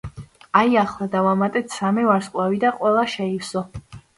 აი, ახლა დავამატეთ სამი ვარსკვლავი და ყველა შეივსო.